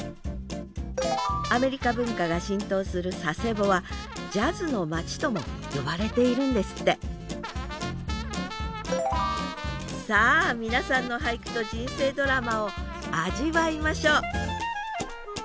アメリカ文化が浸透する佐世保は「ジャズの町」とも呼ばれているんですってさあ皆さんの俳句と人生ドラマを味わいましょう！